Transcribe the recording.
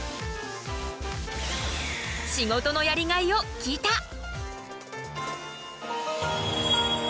仕事のやりがいを聞いた。